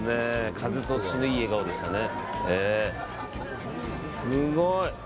風通しのいい笑顔でしたね。